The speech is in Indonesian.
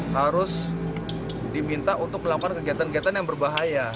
harus diminta untuk melakukan kegiatan kegiatan yang berbahaya